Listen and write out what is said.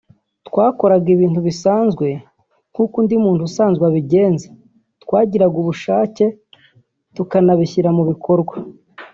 ”twakoraga ibintu bisanzwe nk’uko undi muntu usanzwe abigenza twagiraga ubushake tukanabishyira mu bikorwa